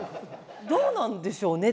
どうなんでしょうね。